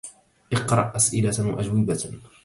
اقرأ أسئلة وأجوبة